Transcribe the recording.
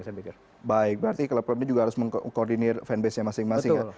baik berarti klub klub ini juga harus mengkoordinir fan base masing masing ya